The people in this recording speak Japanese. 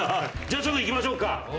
じゃあちょっといきましょうか。